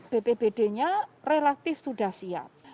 bpbd nya relatif sudah siap